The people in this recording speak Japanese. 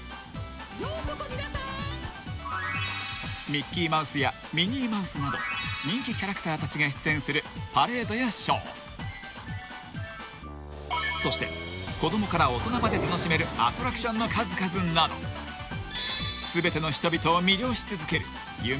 ［ミッキーマウスやミニーマウスなど人気キャラクターたちが出演するパレードやショーそして子供から大人まで楽しめるアトラクションの数々など全ての人々を魅了し続ける］